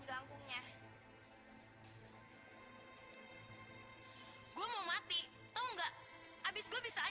jalan kung jalan se di sini ada pesta besar besaran